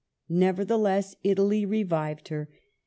Nevertheless, Italy revived her.